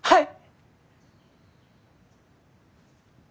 はい！